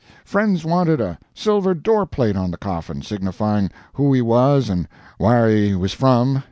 "Friends wanted a silver door plate on the coffin, signifying who he was and wher' he was from.